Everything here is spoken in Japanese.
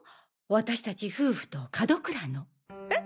私たち夫婦と門倉の。え？